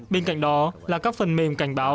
bên cạnh đó là các phần mềm cảnh báo